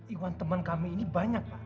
iwan teman kami ini banyak pak